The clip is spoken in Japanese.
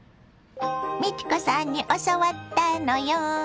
美智子さんに教わったのよ。